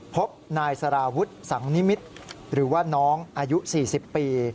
พบนายสารวุฒิสังนิมิตรหรือว่าน้องอายุ๔๐ปี